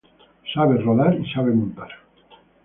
Sabe rodar y sabe montar.